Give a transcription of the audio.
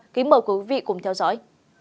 kính mời quý vị cùng theo dõi